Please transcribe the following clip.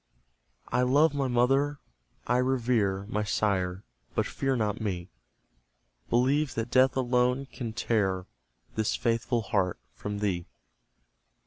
I love my mother, I revere My sire, but fear not me Believe that Death alone can tear This faithful heart from thee.